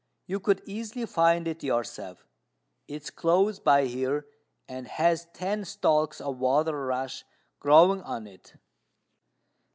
You could easily find it yourself. It is close by here, and has ten stalks of water rush growing on it."